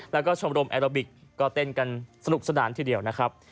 แล้วก็ชมรมแอโรบิกก็เต้นกันสนุกสนานทีเดียวนะครับ